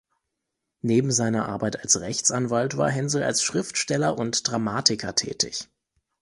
Neben seiner Arbeit als Rechtsanwalt war Haensel als Schriftsteller und Dramatiker tätig.